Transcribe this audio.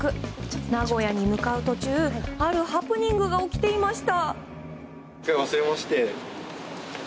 名古屋に向かう途中あるハプニングが起きていました。